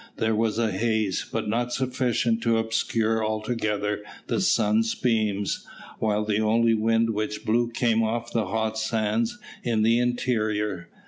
There was a haze, but not sufficient to obscure altogether the sun's beams, while the only wind which blew came off the hot sands in the interior.